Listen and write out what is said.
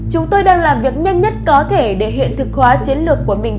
chúng tôi đang làm việc nhanh nhất có thể để hiện thực hóa chiến lược của mình